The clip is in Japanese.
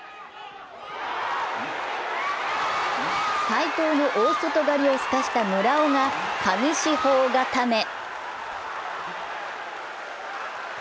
斉藤の大外刈りをすかした村尾が上四方固め。